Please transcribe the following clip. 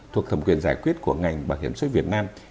thuộc thẩm quyền giải quyết của ngành bảo hiểm xuất việt nam